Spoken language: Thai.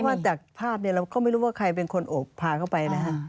ว่าจากภาพเนี่ยเราก็ไม่รู้ว่าใครเป็นคนโอบพาเข้าไปนะฮะ